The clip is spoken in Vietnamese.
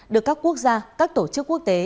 được các quốc gia các tổ chức quốc tế